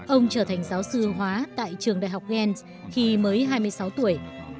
ông trở thành giáo sư hóa tại trường đại học gen khi mới hai mươi sáu tuổi